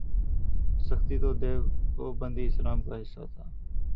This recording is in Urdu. سختی تو دیوبندی اسلام کا حصہ تھا۔